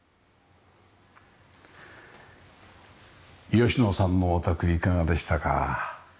吉野さんのお宅いかがでしたか？